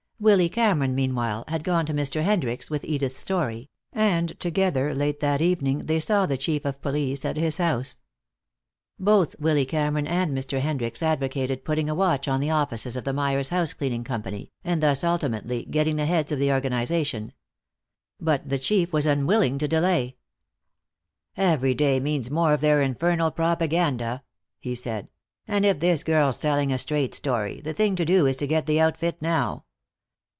Willy Cameron, meanwhile, had gone to Mr. Hendricks with Edith's story, and together late that evening they saw the Chief of Police at his house. Both Willy Cameron and Mr. Hendricks advocated putting a watch on the offices of the Myers Housecleaning Company and thus ultimately getting the heads of the organization. But the Chief was unwilling to delay. "Every day means more of their infernal propaganda," he said, "and if this girl's telling a straight story, the thing to do is to get the outfit now.